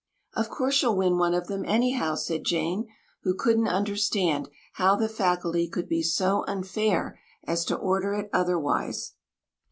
"Of course you'll win one of them anyhow," said Jane, who couldn't understand how the faculty could be so unfair as to order it otherwise.